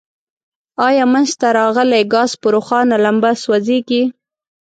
آیا منځ ته راغلی ګاز په روښانه لمبه سوځیږي؟